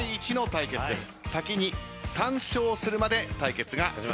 先に３勝するまで対決が続きます。